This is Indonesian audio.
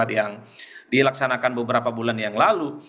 yang dilaksanakan beberapa bulan yang lalu